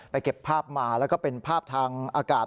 เก็บภาพมาแล้วก็เป็นภาพทางอากาศ